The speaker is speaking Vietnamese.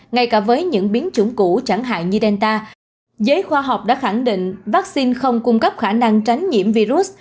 ngay cả với những biến chủng cũ chẳng hạn như delta giới khoa học đã khẳng định vaccine không cung cấp khả năng tránh nhiễm virus